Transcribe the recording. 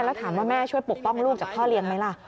แล้วถามว่าแม่ช่วยปกป้องลูกจากพ่อเลี้ยงไหมล่ะ